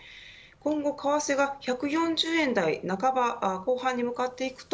今後、為替が１４０円台半ばに向かっていくと